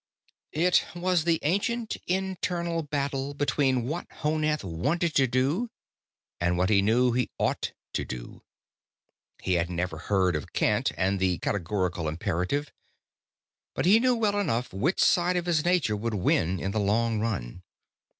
It was the ancient internal battle between what Honath wanted to do, and what he knew he ought to do. He had never heard of Kant and the Categorical Imperative, but he knew well enough which side of his nature would win in the long run.